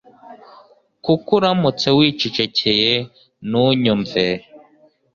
Kuko uramutse wicecekeye ntunyumve